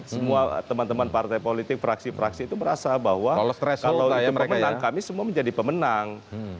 semua teman teman partai politik fraksi fraksi itu merasa bahwa kalau itu pemenang kami semua menjadi pemenang